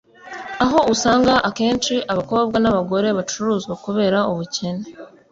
aho usanga akenshi abakobwa n’abagore bacuruzwa kubera ubukene